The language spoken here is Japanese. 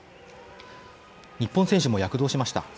日本選手も躍動しました。